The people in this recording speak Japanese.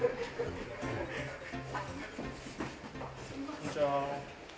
こんにちは。